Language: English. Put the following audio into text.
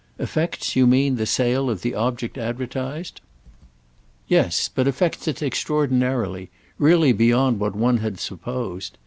"Affects, you mean, the sale of the object advertised?" "Yes—but affects it extraordinarily; really beyond what one had supposed.